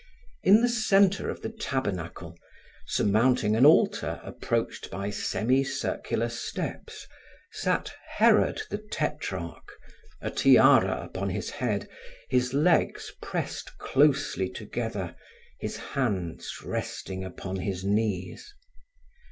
In the center of the tabernacle, surmounting an altar approached by semi circular steps, sat Herod the Tetrarch, a tiara upon his head, his legs pressed closely together, his hands resting upon his knees.